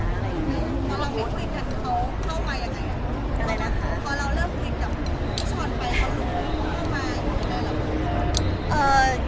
พอเราเริ่มคุยกันเขาเข้ามายังไงพอเราเริ่มคุยกับผู้ชนไปเขาเข้ามาอยู่ได้หรือเปล่า